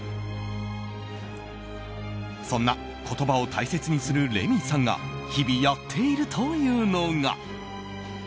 そんな、言葉を大切にするレミイさんが日々やっているというのが。